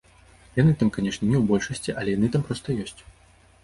Яны там, канешне, не ў большасці, але яны там проста ёсць.